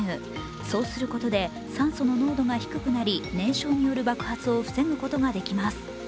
そうすることで酸素の濃度が低くなり、燃焼による爆発を防ぐことができます。